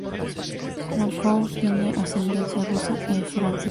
Balfour tiene ascendencia rusa e francesa.